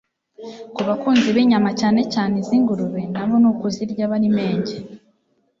Ku bakunzi b'inyama cyane cyane iz'ingurube nabo ni ukuzirya bari menge